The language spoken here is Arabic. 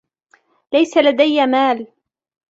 ليس لدي مال.